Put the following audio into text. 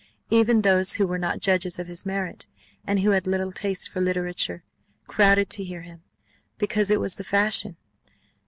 Even those who were not judges of his merit, and who had little taste for literature, crowded to hear him, because it was the fashion.